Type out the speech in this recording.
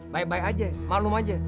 baik baik aja malum aja